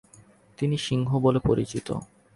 তিনি সিংহ বলে পরিচিত।